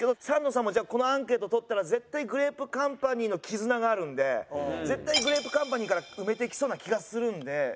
サンドさんもこのアンケートとったら絶対グレープカンパニーの絆があるんで絶対グレープカンパニーから埋めていきそうな気がするんで。